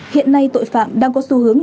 hiện nay tội phạm đang có xu hướng